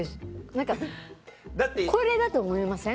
何かこれだと思いません？